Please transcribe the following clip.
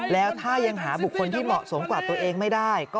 แล้วถ้ายังหาบุคคลที่เหมาะสมกว่าตัวเองไม่ได้